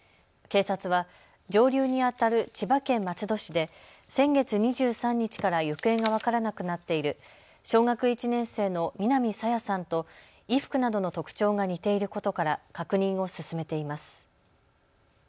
警察は上流にあたる千葉県松戸市で先月２３日から行方が分からなくなっている小学１年生の南朝芽さんと衣服などの特徴が似ていることから確認を進めています。